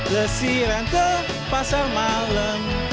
lesiran ke pasar malam